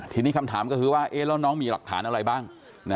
ทีนี้คำถามก็คือว่าแล้วน้องมีหลักฐานอะไรบ้าง